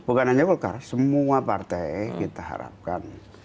bukan hanya golkar semua partai kita harapkan